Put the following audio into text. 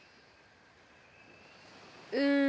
うん。